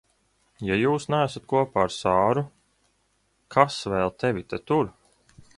Ja jūs neesat kopā ar Sāru, kas vēl tevi te tur?